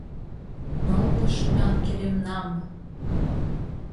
Нылле шӱлян керемнам!»